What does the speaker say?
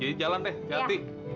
jadi jalan deh jati